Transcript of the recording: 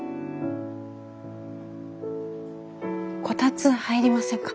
こたつ入りませんか？